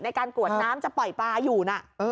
ในการกรวดน้ำจะปล่อยปลาอยู่นะ